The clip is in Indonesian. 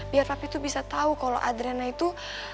biar papi tuh bisa tahu kalau adriana itu